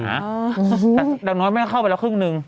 แต่ดังน้อยแม่เข้าไปละครึ่งนึง